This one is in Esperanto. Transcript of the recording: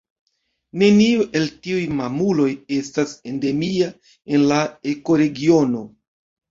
Neniu el tiuj mamuloj estas endemia en la ekoregiono.